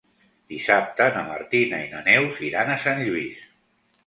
Dissabte na Martina i na Neus iran a Sant Lluís.